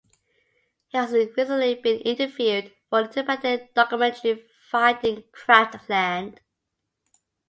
He has recently been interviewed for the independent documentary "Finding Kraftland".